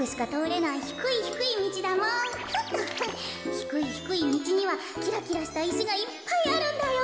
ひくいひくいみちにはきらきらしたいしがいっぱいあるんだよ。